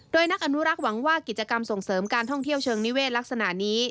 โดยนักอนุรักษ์หวังว่ากิจกรรมส่งเสริมการท่องเที่ยวเชิงนิเวศลักษณะนี้